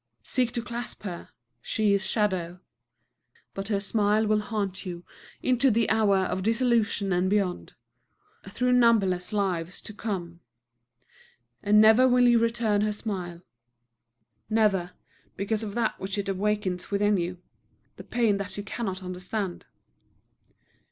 Seek to clasp her she is Shadow. But her smile will haunt you into the hour of dissolution and beyond, through numberless lives to come. And never will you return her smile, never, because of that which it awakens within you, the pain that you cannot understand.